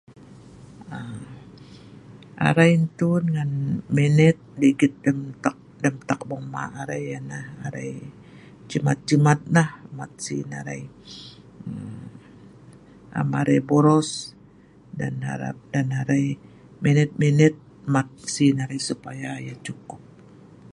Arai entun ngan minet ligit lem tak lem tak bongma arai, ianah arai jimat-jimat nah mat sin arai, am arai boros dan arai minet-minet mat sin arai supaya yah cukup.